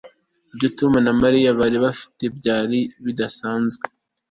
Ibyo Tom na Mariya bari bafite byari bidasanzwe